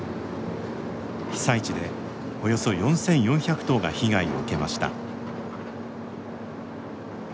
被災地で、およそ４４００棟が被害を受けました。